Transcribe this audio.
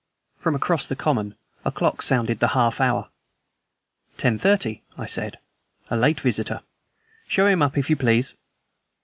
From across the common a clock sounded the half hour. "Ten thirty!" I said. "A late visitor. Show him up, if you please."